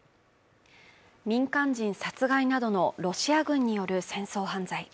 民間人殺害などのロシア軍による戦争犯罪